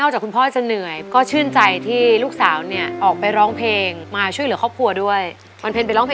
หนูจะสู้เพื่อครอบครัวของเราค่ะ